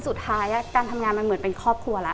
สุดท้ายการทำงานมันเหมือนเป็นครอบครัวแล้ว